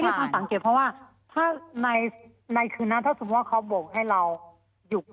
ท่านสังเกตเพราะว่าถ้าในคืนนั้นถ้าสมมุติว่าเขาโบกให้เราหยุด